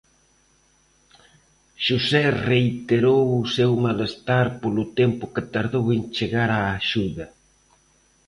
José reiterou o seu malestar polo tempo que tardou en chegar a axuda.